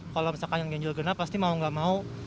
kalau misalkan yang ganjil genap pasti mau nggak mau